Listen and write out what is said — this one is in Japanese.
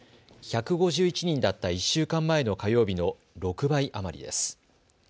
１５１人だった１週間前の火曜日の６倍余りです。